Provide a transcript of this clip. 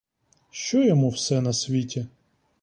Що йому все на світі?